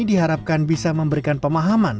diharapkan bisa memberikan pemahaman